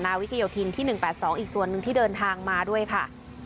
วิกโยธินที่๑๘๒อีกส่วนหนึ่งที่เดินทางมาด้วยค่ะ